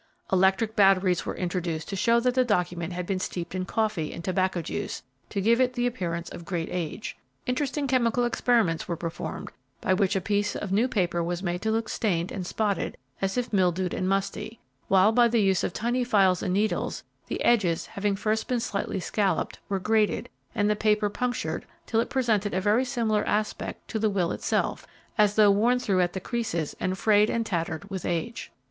Electric batteries were introduced to show that the document had been steeped in coffee and tobacco juice to give it the appearance of great age. Interesting chemical experiments were performed, by which a piece of new paper was made to look stained and spotted as if mildewed and musty, while by the use of tiny files and needles, the edges, having first been slightly scalloped, were grated and the paper punctured, till it presented a very similar aspect to the will itself as though worn through at the creases and frayed and tattered with age.